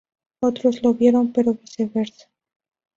Otros lo vieron, pero viceversa.